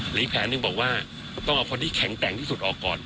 อีกแผนหนึ่งบอกว่าต้องเอาคนที่แข็งแกร่งที่สุดออกก่อน